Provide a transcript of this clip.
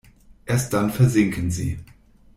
Erst dann versinken sie.